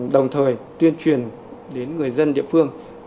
đồng thời tuyên truyền đến người dân địa phương